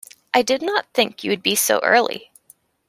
I did not think you would be so early.